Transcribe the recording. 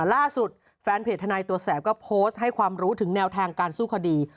ล่าสุดแฟนเพจทนายตัวแสบก็โพสต์ให้ความรู้ถึงแนวทางการสู้คดี